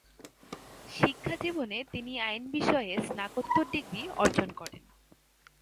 শিক্ষাজীবনে তিনি আইন বিষয়ে স্নাতকোত্তর ডিগ্রি অর্জন করেন।